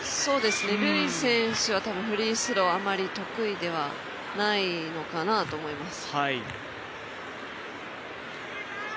ルイ選手は、多分フリースロー、あまり得意ではないのかなと思います。